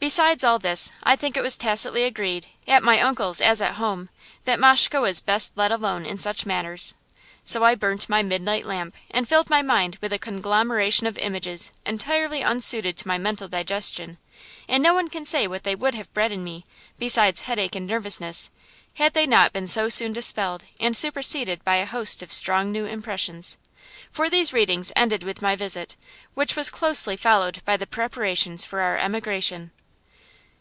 Besides all this, I think it was tacitly agreed, at my uncle's as at home, that Mashke was best let alone in such matters. So I burnt my midnight lamp, and filled my mind with a conglomeration of images entirely unsuited to my mental digestion; and no one can say what they would have bred in me, besides headache and nervousness, had they not been so soon dispelled and superseded by a host of strong new impressions. For these readings ended with my visit, which was closely followed by the preparations for our emigration.